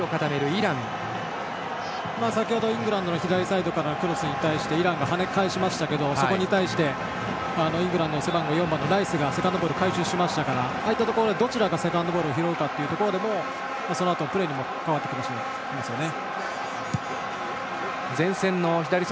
イングランドの先程の左サイドからクロスに対してイランが跳ね返しましたがそれに対してイングランドのライスがセカンドボール回収しましたからああいったところでどちらかセカンドボールを拾うかでそのあとのプレーにも関わってきますよね。